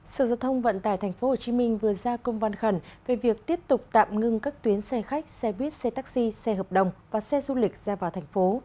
sở giao thông vận tải tp hcm vừa ra công văn khẩn về việc tiếp tục tạm ngưng các tuyến xe khách xe buýt xe taxi xe hợp đồng và xe du lịch ra vào thành phố